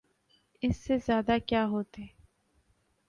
اس سے زیادہ کیا ہوتے؟